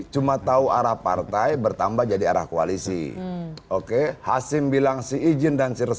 cuma tahu arah partai bertambah jadi arah koalisi oke hasim bilang si ijin dan sirus